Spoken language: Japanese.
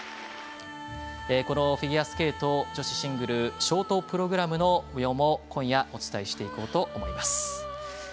このフィギュアスケート女子シングルショートプログラムのもようも今夜、お伝えしていこうと思います。